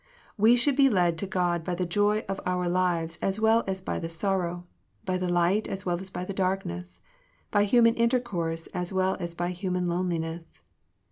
We should be led to God by the joy of our lives as well as by the sorrow, by the light as well as by the darkness, by human intercourse as well as by human loneliness.